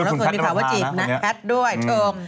แล้วเคยมีข่าวว่าจีบนะแพทย์ด้วยถูก